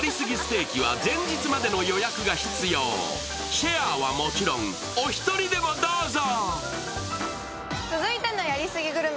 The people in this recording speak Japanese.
シェはもちろん、お一人でもどうぞ。